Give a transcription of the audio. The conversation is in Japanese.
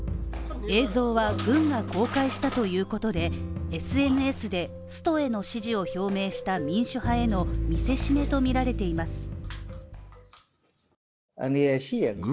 映像は軍が公開したということで、ＳＮＳでストへの支持を表明した民主派への見せしめとみられています。